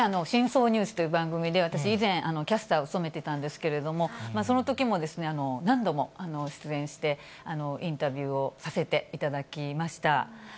深層ニュースという番組で私以前、キャスターを務めてたんですけれども、そのときも何度も出演して、インタビューをさせていただきました。